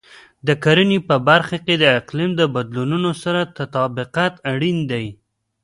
د کرنې په برخه کې د اقلیم بدلونونو سره تطابق اړین دی.